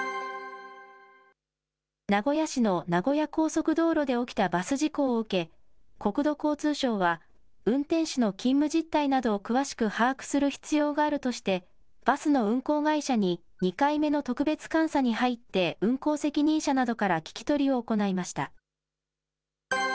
名古屋市の名古屋高速道路で起きたバス事故を受け、国土交通省は、運転手の勤務実態などを詳しく把握する必要があるとして、バスの運行会社に２回目の特別監査に入って、運行責任者などから聞き取りを行いました。